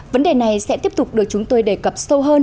vấn đề này sẽ tiếp tục được chúng tôi đề cập sâu hơn